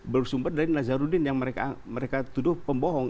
bersumber dari nazarudin yang mereka tuduh pembohong